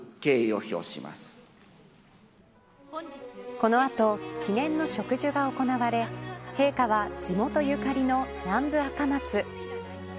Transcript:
この後、記念の植樹が行われ陛下は地元ゆかりの南部アカマツ。